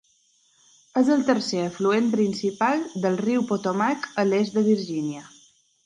És el tercer afluent principal del riu Potomac a l'est de Virgínia.